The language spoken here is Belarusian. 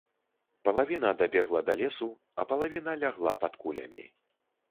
Палавіна дабегла да лесу, а палавіна лягла пад кулямі.